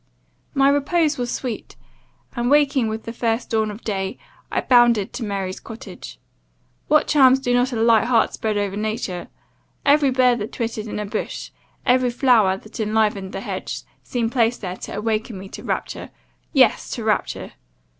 "My repose was sweet; and, waking with the first dawn of day, I bounded to Mary's cottage. What charms do not a light heart spread over nature! Every bird that twittered in a bush, every flower that enlivened the hedge, seemed placed there to awaken me to rapture yes; to rapture.